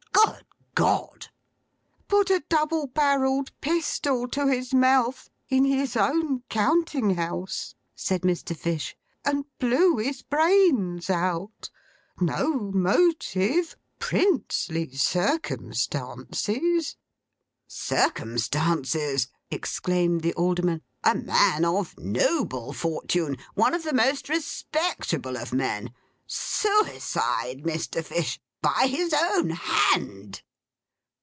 'Good God!' 'Put a double barrelled pistol to his mouth, in his own counting house,' said Mr. Fish, 'and blew his brains out. No motive. Princely circumstances!' 'Circumstances!' exclaimed the Alderman. 'A man of noble fortune. One of the most respectable of men. Suicide, Mr. Fish! By his own hand!